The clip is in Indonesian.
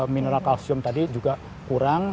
mineral kalsium tadi juga kurang